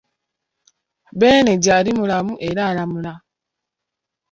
Beene gyali mulamu era alamula.